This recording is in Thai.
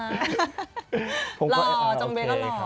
หล่อจองเบย์ก็หล่อครับผมก็ฮ่าโอเคครับ